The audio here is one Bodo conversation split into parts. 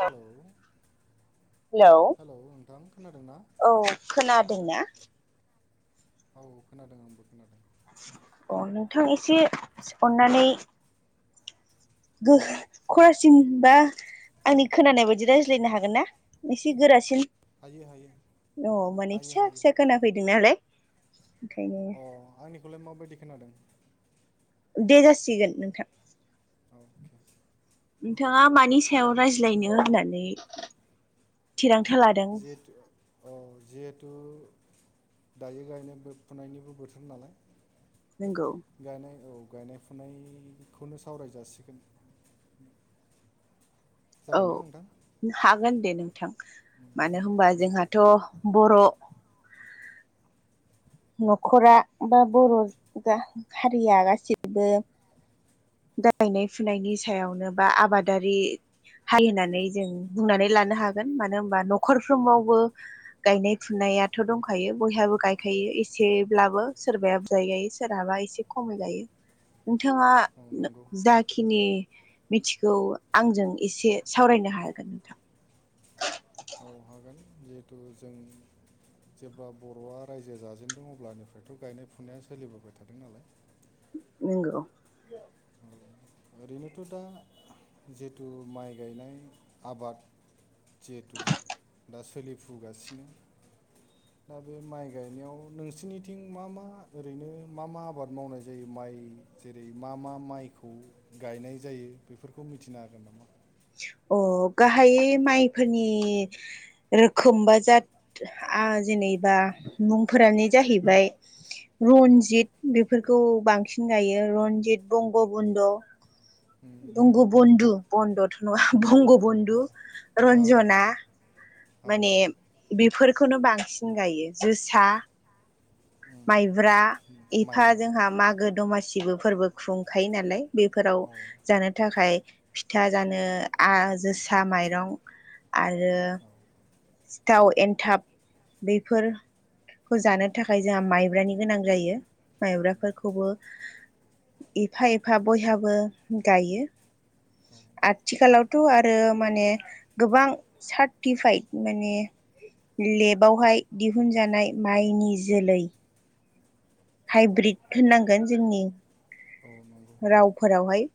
हेलौ हेलौ नोंथां खोनादोंना? औ खोनादोंना? औ खोनादों आंबो खोनादों अ नोंथां एसे अननानै गो खरसिन बा आंनि खोनानाय बायदि रायज्लायनो हागोन ना एसे गोरासिन हायो हायो अ माने हायो फिसा हायो फिसा खोनाफैदों नालाय ओंखायनो अ आंनिखौलाय माबायदि खोनादों दे जासिगोन नोंथां अके नोंथाङा मानि सायाव रायज्लायनो होननानै थिरांथा लादों जिथु अ जिहेथु दायो गायनाय फुनायनिबो बोथोर नालाय नोंगौ गायनाय औ गायनाय फुनायखौनो सावराय जासिगोन। औ जागोनना नोंथां हागोन दे नोंथां मानो होनबा जि जोंहाथ बर' न खरा बा बर हारिया गासैबो। गायनाय फुनायनि सायावनो बा आबादारि। हारि होननानै जों बुंनानै लानो हागोन मानो होनबा नखरफ्रोमावबो गायनाय फुनायाथ दंखायो बयहाबो गायखायो ए एसेब्लाबो सोरबाया बुजाय गायो सोरहाबा एसे खमै गायो। नोंथाङा औ नंगौ जा खिनि मिथिखौ आंजों एसे सावरायनो हागोन नोंथां। औ हागोन जिहेथु जों जेब्ला बरआ रायजो जाजेनदों अब्लानिफ्रायथ गायनाय फुनाया सोलिबोबाय थादों नालाय नंगौ ओरैनोथ' दा जिथु माइ गायनाय आबाद जिहेथु दा सोलिफुगासिनो दा बे माइ गायनायाव नोंसोरनिथिं मा मा ओरैनो मा मा आबाद मावनाय जायो माइ जेरै मा मा माइखौ गायनाय जायो बेफोरखौ मिथिनो हागोन नामा? अ गाहायै माइफोरनि रोखोम बा जा आं जेनेबा मुंफोरानो जाहैबाय- रनजित बेफोरखौ बांसिन गायो रनजित बंग बन्द उम, दंग बन्धु बन्द थ नङा बंग बन्धु औ रन्जना औ, माने बेफोरखौनो बांसिन गायो जोसा उम, माइब्रा उम, एफा माइब्रा जोंहा मागो दमासिबो फोरबो खुंखायो नालाय। बेफोराव औ जानो थाखाय फिथा जानो जोसा माइरं आरो सिथाव एन्थाब बेफोर खौ उम, जानो थाखाय जोंहा माइब्रानि गोनां जायो। उम, माइब्राफोरखौबो एफा एफा बयहाबो गायो। आथिखालावथ' आरो माने गोबां सार्टिफाइद माने लेबावहाय दिहुनजानाय माइनि जोलै औ हाइब्रिद होननांगोन जोंनि औ नंगौ रावफोरावहाय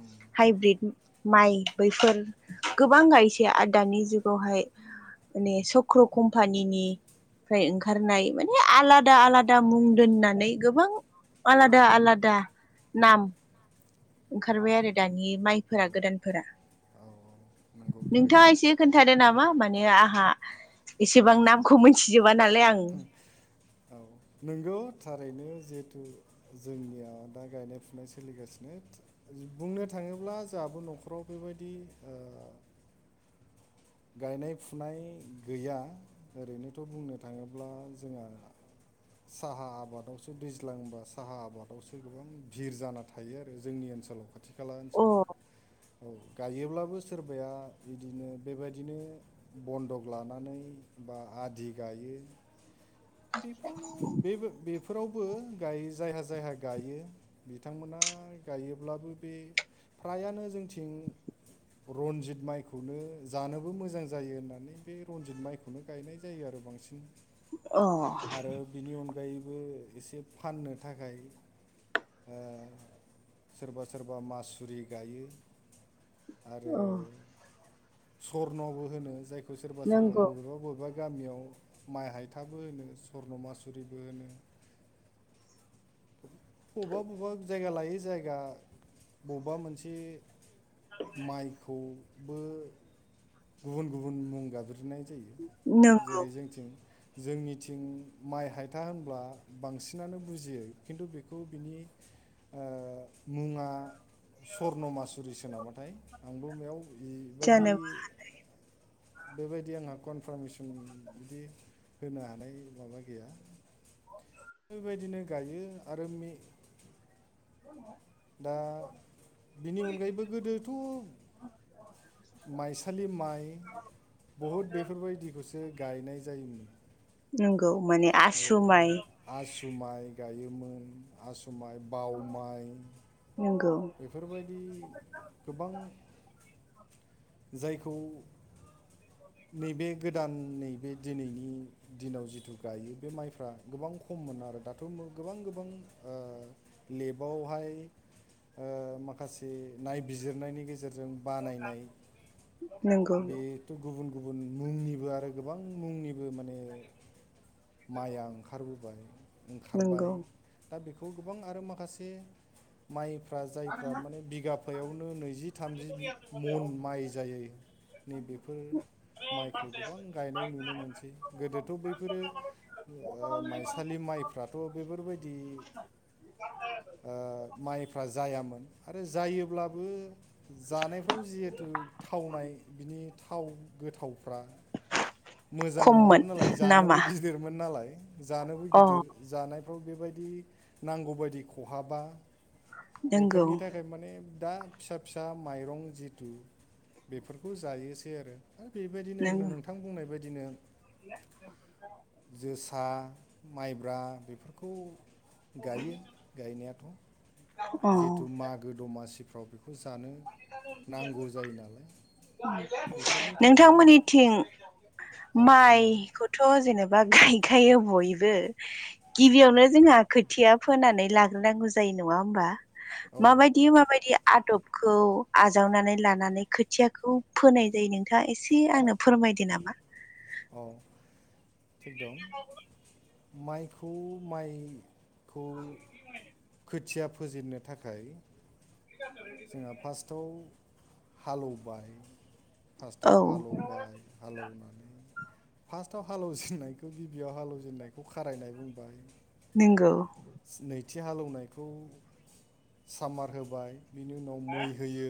उम, हाइब्रिद माइ बैफोर गोबां गायसै आरो दानि जुगावहाय माने सक्र' कम्पानिनि फ्राय ओंखारनाय माने आलादा आलादा मुं दोननानै गोबां आलादा आलादा नाम ओंखारबाय आरो दानि औ माइफोरा गोदानफोरा औ नंगौ थारैनो नोंथाङा एसे खोन्थादो नामा माने आंहा एसेबां नामखौ मोनथिजोबा नालाय आं नोंगौ थारैनो जिहेथु जोंनिया दा गायनाय-फुनाय सोलिगासिनो। बुंनो थाङोब्ला जोंहाबो न'खराव बेबायदि ओ गायनाय-फुनाय गैया ओरैनोथ' बुंनो थाङोब्ला जोंहा साहा आबादावसो दैज्लांबा साहा आबादावसो गोबां भिर जाना थां थायो आरो जोंनि ओनसोलाव खाथि खाला अ ओनसोलाव औ गायोब्लाबो सोरबाया बिदिनो बेबायदिनो बन्दक लानानै बा आदि गायो। बेखौनो बे-बेफोरावबो गायो जायहा जायहा गायो। बिथांमोना गायोब्लाबो बे फ्रायानो जोंथिं रनजित माइखौनो जानोबो मोजां जायो होननानै बे रनजित माइखौ बेखौनो गायनाय जायो आरो बांसिन अ आरो बिनि अनगायैबो एसे फाननो थाखाय ओ सोरबा सोरबा मासुरि गायो आरो सरनबो होनो जायखौ सोरबा सोरबा नंगौ बबेबा बबेबा गामियाव माइ हायथा बोहोनो सरन' मासुरिबो होनो। बबेबा बबेबा जायगा लायै जायगा बबेबा मोनसे माइखौबो गुबुन गुबुन मुं गाबज्रिनाय जायो। नंगौ जेरै जोंथिं जोंनिथिं माइ हायथा होनब्ला बांसिनानो बुजियो खिन्थु बेखौ बिनि ओ मुङा स्वर्नमासुरिसोनामाथाय आंबो बेयाव बेबायदि जेनेबा बेबायदि आंहा कनफारमेसन बिदि होनो हानाय माबा गैया। बेबायदिनो गायो आरो मे दा बिनि अनगायैबो गोदोथ' माइसालि माइ, बहुद बेफोरबायदिखौसो गायनाय जायोमोन। नंगौ माने आसु माइ। औ आसु माइ गायोमोन, आसु माइ बाव माइ नंगौ बेफोरबायदि गोबां जायखौ नैबे गोदान नैबे दिनैनि दिनाव जिथु गायो बे माइफ्रा गोबां खममोनो आरो दाथ' गोबां गोबां लेबावहाय। ओ माखासे नायबिजिरनायनि गेजेरजों बानायनाय। नंगौ बेथ' गुबुन गुबुन मुंनिबो आरो गोबां मुंनिबो माने माइआ ओंखारबोबाय ओंखारबाय। नंगौ दा बेखौ गोबां आरो माखासे माइफ्रा जायफ्रा माने बिगाफायावनो नैजि थामजि मन माइ। जायै नै बेफोर माइखौ गोबां गायनाय नुनो मोनसै गोदोथ' बैफोरो ओ माइसालि माइफ्राथ' बेफोरबायदि [inaudible] ओ माइफ्रा जायामोन आरो जायोब्लाबो जानायफ्राव जिहेथु थावनाय बिनि थाव गोथावफ्रा मोजां खममोन नङामोन नालाय जानोबो नामा गिदिरमोन नालाय जानोबो अ गिदिर जानायफ्राव बेबायदि नांगौबायायदि खहाबा नंगौ बेफोरनि था खाय माने दा फिसा फिसा माइरं जिथु बेफोरखौ जायोसै आरो दा बेबायदिनो नंगौ नोंथां बुंनाय बायदिनो [inaudible] जोसा माइब्रा बेफोरखौ गायो गायनायाथ' अ जिहेथु मागो दमासिफ्राव बेखौ जानो नांगौ जायो नालाय बेफोरनि थाखायनो नोंथांमोननिथिं औ बुंलाय माइखौथ' जेनेबा गायखायो बयबो गिबियावनो जोंहा खोथिया फोनानै लाग्रोनांगौ जायो नङा होमबा। औ माबायदि-माबायदि आदब‌ [inaudible] आजावनानै लानानै खोथियाखौ फोनाय जायो। नोंथाङा एसे आंनो फोरमायदो नामा? औ थिग दं। माइखौ माइखौ खोथिया फोजेननो थाखाय जोंहा फार्स्टआव हालौबाय फार्स्टआव हालौ औ बाय हालेवना फार्स्टआव हालेव जेननायखौ गिबियाव हालेवजेननायखौ खारायनाय बुंबाय। नोंगौ। नैथि हालौवनायखौ सामार होबाय बिनि उनाव मै होयो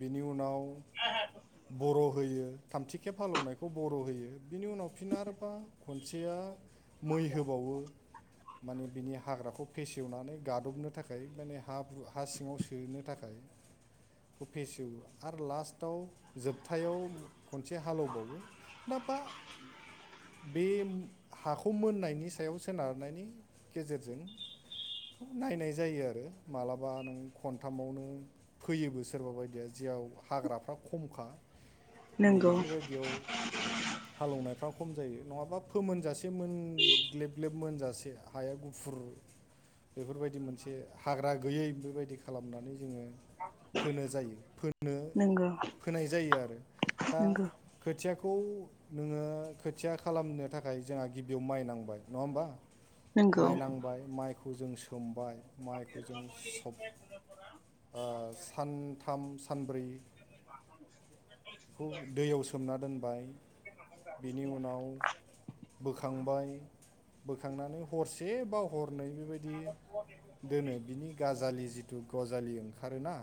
बिनि उनाव [inaudible] बर' होयो थामथिखेब हालौवनायखौ बर' होयो बिनि उनाव फिन आरोबाव खनसेया मै होबावो माने बिनि हाग्राखौ फेसेवनानै गादबनो थाखाय माने हाब्रु हा सिङाव दोनो थाखाय बेखौ फेसेवो आरो लास्टाव जोबथायाव खनसे हालेवबावो। नाबा बे हाखौ मोननायनि सायाव सोनारनायनि गेजेरजों बे नायनाय जायो आरो मालाबा नों खनथामावनो फोयोबो सोरबा बायदिया जेयाव हाग्राफ्रा खमखा। नै नंगौ बेफोरबायदियाव हालेवनायफ्रा खम जायो नंङाबा फोमोनजासे मोन ग्लेब ग्लेब मोनजासे हाया गुफुर बेफोरबायदि मोनसे हाग्रा गैयै बेबायदि खालामनानै जोङो फोनो जायो फोनो नंगौ फोनाय जायो आरो। दा नंगौ खोथियाखौ नोङो खोथिया खालामनो थाखाय जोंहा गिबियाव माइ नांबाय नङा होमबा? नंगौ माइ नांबाय माइखौ जों सोमबाय माइखौ जों सब सानथाम सानब्रैखौ दैयाव सो सोमना दोनबाय बेनि उनाव बोखांबाय बोखांनानै हरसेबाव हरनै बेबायदि दोनो बिनि गाजालि जिथु गजालि ओंखा आरोना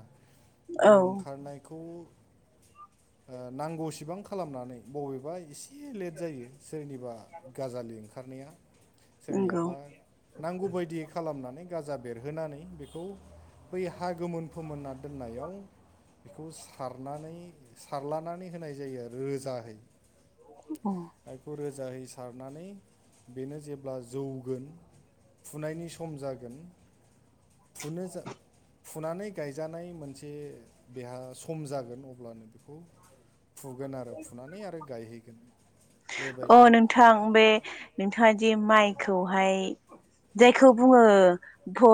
बे औ ओंखारनायखौ ओ नांगौसिबां खालामनानै बबेबा इसे लेट जायो सोरनिबा गाजालि ओंखारनाया नंगौ सोरनियाबा नांगौ बायदि खालामनानै गाजा बेरहोनानै बेखौ बै हा गोमोन फोमोनना दोननायाव बेखौ सारनानै सारलानानै होनाय जायो रोजाहै। अ। आयखौ रोजाहै सारनानै बेनो जेब्ला जौगोन फुनायनि सम जागोन फुनो जा फुनानै गायजानाय मोनसे बेहा सम जागोन अब्लानो बेखौ फुगोन आरो फुनानै आरो गाय हैगोन अ नोंथां बे नोंथाङा जे माइखौहाय जायखौ बुंङो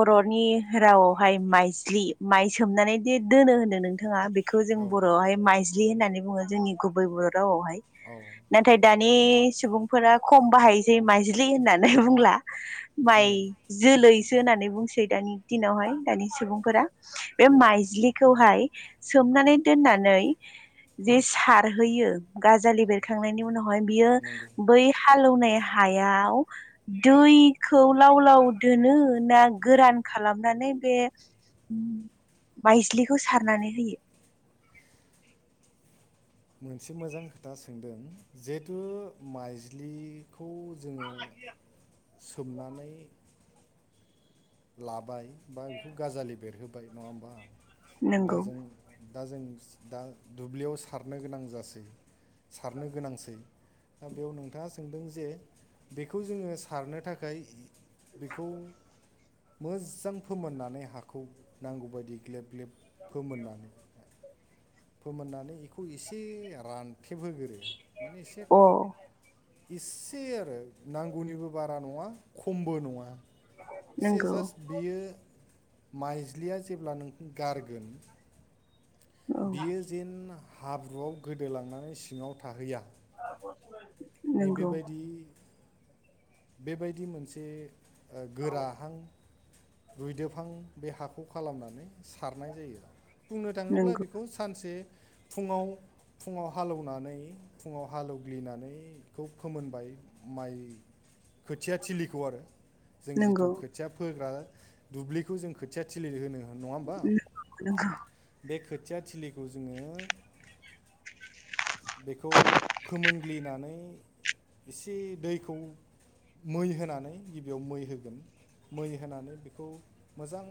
बर'नि रावावहाय माइज्लि माइ सोमनानै दि दोनो होनदों नोंथाङा बे खौ जों औ बर'आवहाय माइज्लि होननानै बुङो जोंनि गुबै बर' रावावहाय औ नाथाय दानि सुबुंफोरा खम बाहायोसै माइज्लि होननानै बुंला। माइ जोलैसो नानै बुंसै दानि दिनावहाय दानि सुबुंफोरा। बे औ माइज्लि खौहाय सोमनानै दोननानै जे सारहैयो गाजालि औ बेरखा थांनायनि उनावहाय बियो नंगौ बै हालौवनाय हायाव दैखौ लाव लाव दोनो ना गोरान खालामनानै बे मायज्लिखौ सारनानै होयो। मोनसे मोजां खोथा सोंदों जिहेथु माइज्लि खौ जोंङो सोमनानै लाबाय बा बेखौ गाजालि बेरहोबाय नंङा होमबा एबा नंगौ जों दा जों दा दुब्लियाव सारनो गोनां जासै सारनो गोनांसै। दा बेयाव नोंथांङा सोंदों जे बेखौ जोंङो सारनो थाखाय बेखौ मोजां फोमोननानै हाखौ नांगौ बायदि ग्लेब ग्लेब फोमोननानै फोमोननानै इखौ एसे रान थेबहोग्रोरो माने एसे अ इसे आरो नांगौनिबो बारा नङा खमबो नङा। एसे नंगौ जास्ट बियो माइज्लिया जेब्ला नोंखौ गारगोन। औ बियो जेन हाब्रुआव गोदोलांनानै सिङाव थाहैया। [unintelligible] नंगौ नैबेबायदि बेबायदि मोनसे ओ गोराहां रुइदोबहां बे हाखौ खालामनानै सारनाय जायो। बुंनो थाङोब्ला बिदि नंगौ बे खौ सानसे फुंङाव फुंङाव हालेवनानै फुंङाव हालौवग्लिनानै खौ फोमोनबाय माइ खोथिया थिलिखौ आरो जों जिथु नंगौ खो खोथिया फोग्रा दुब्लिखौ जों खोथिया थिलि होनो नङा होमबा? नंगौ नंगौ बे खोथिया थिलिखौ जोङो बेखौ फोमोनग्लिनानै इसे दैखौ मै होनानै गिबियाव मै होगोन। मै होनानै बेखौ मोजां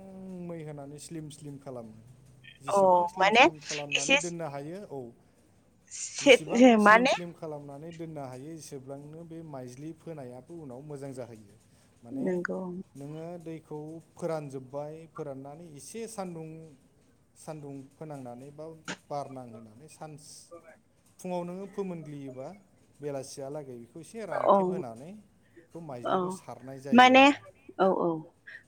मै होनानै स्लिम स्लिम खालामो। जेसेबां औ स्लिम माने स्लिम खालामनानै एसे दोननो हायो औ जेसेबां से स्लिम माने स्लिम खालामनानै दोननो हायो एसेब्लांनो बे माइज्लि फोनायाबो उनाव मोजां जाहैयो। माने नंगौ नोङो दैखौ फोरानजोब्बाय फोराननानै इसे सानदुं सान्दुं फोनांनानै बा बार नांहोनानै एसे फान्स फुङाव नोङो फोमोनग्लियोबा बेलासियालागै इसे औ रानथेब होनानै बे औ माइज्लिखौ सारनाय जायो माने आरो। औ औ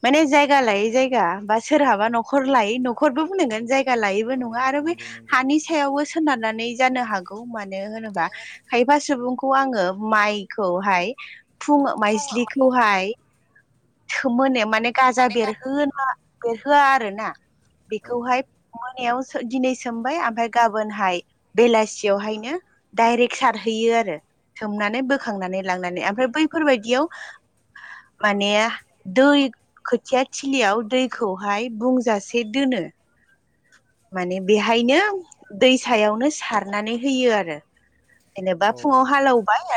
माने जायगा लायै जायगा बा सोरहाबा न'खर लायै न'खरबो बुंनांगोन। जाय थाल लायैबो औ नङा आरो बे नंगौ नंगौ हानि सायावबो सोनारनानै जानो हागौ मानो होनोबा खायफा सुबुंखौ आङो माइखौहाय फुं फुङाव माइज्लिखौहाय खो मोना माने गाजा बेरहोआ बेरहोआ आरो ना औ बेखौहाय मोनायाव दिनै सोमबाय ओमफ्राय गाबोनहाय बेलासियावहायनो डाइरेक्ट सारहैयो आरो सोमनानै बोखांनानै लांनानै। ओमफ्राय बैफोरबायदियाव माने दै खोथिया थिलियाव दैखौहाय बुंजासे दोनो। माने बेहायनो दै सायावनो सारनानै होयो आरो। जेनेबा फुङाव औ हालएवबाय आरो